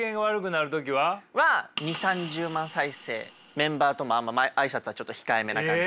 メンバーともあんま挨拶はちょっと控えめな感じ。